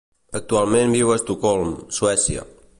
Actualment viu a Estocolm, Suècia.